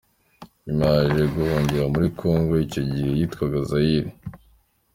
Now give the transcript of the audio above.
Nyuma yaje guhungira muri Congo icyo gihe yitwaga Zaïre .